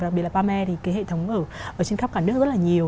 đặc biệt là pame thì cái hệ thống ở trên khắp cả nước rất là nhiều